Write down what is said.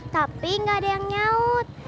tapi nggak ada yang nyaut